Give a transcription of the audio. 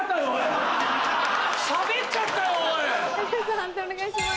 判定お願いします。